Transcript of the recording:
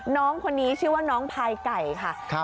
น้องคนนี้ชื่อว่าน้องพายไก่ค่ะ